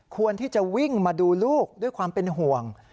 ควรที่จะวิ่งมาดูลูกด้วยความเป็นห่วง